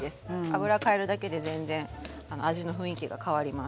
油変えるだけで全然味の雰囲気が変わります。